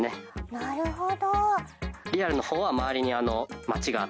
なるほど！